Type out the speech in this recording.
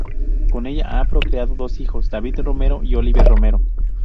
Con ella ha procreado dos hijos: David Romero y Oliver Romero.